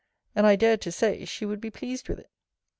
And I dared to say, she would be pleased with it.